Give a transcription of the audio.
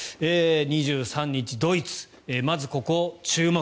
２３日、ドイツまずここ、注目。